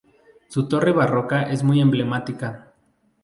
Su torre barroca es muy emblemática.